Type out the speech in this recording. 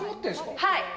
はい。